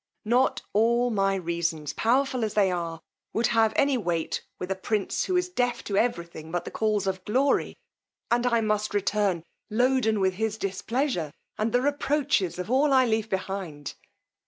Not all my reasons, powerful as they are, would have any weight with a prince, who is deaf to every thing but the calls of glory; and I must return loaden with his displeasure, and the reproaches of all I leave behind!